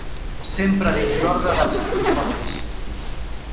Sempre dins l'ordre dels piciformes.